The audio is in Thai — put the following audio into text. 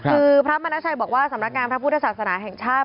คือพระมณชัยบอกว่าสำนักงานพระพุทธศาสนาแห่งชาติ